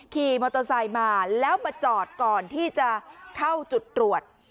ขี่มอเตอร์ไซค์มาแล้วมาจอดก่อนที่จะเข้าจุดตรวจ